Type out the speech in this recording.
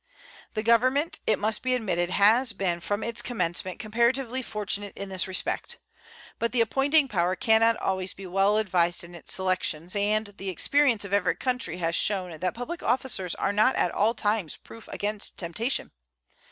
The Government, it must be admitted, has been from its commencement comparatively fortunate in this respect. But the appointing power can not always be well advised in its selections, and the experience of every country has shown that public officers are not at all times proof against temptation.